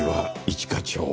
一課長